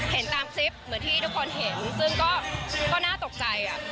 เห็นตามคลิปเหมือนที่ทุกคนเห็นซึ่งก็น่าตกใจ